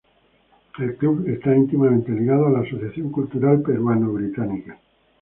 El club está íntimamente ligado a la Asociación Cultural Peruano Británica.